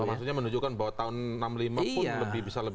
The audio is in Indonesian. maksudnya menunjukkan bahwa tahun enam puluh lima pun bisa lebih parah